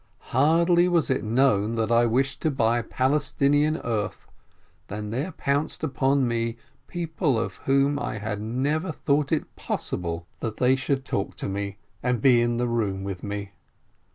Hardly was it known that I wished to buy Palestinian earth, than there pounced upon me people of whom I had never thought it possible that they should talk to me, and be in the room with me.